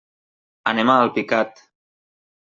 Anem a Alpicat.